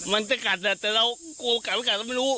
มันกลัดได้แต่เรากลัวว่ากลัดไม่กลัดเราไม่รู้